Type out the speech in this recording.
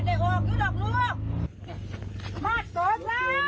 รำรวจก็ปิดล้อมไล่มันสวมประหลังไล่อ้อยท้ายหมู่บ้านบ้านโคกสะอาดที่ตำบลทองหลางเอาไว้นะครับ